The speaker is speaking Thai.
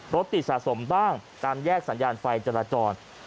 รถติดสะสมบ้างตามแยกสัญญาณไฟจราจร